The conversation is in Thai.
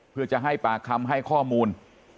เพื่อจะให้ปากคำให้ข้อมูล